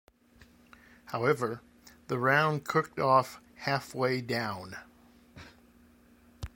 However, the round cooked off halfway down.